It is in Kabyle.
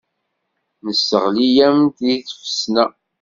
Nesseɣli-am deg tfesna.